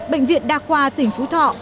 bệnh viện đa khoa tỉnh phú thọ